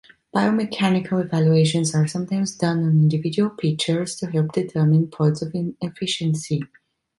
Biomechanical evaluations are sometimes done on individual pitchers to help determine points of inefficiency.